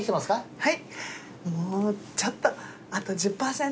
はい。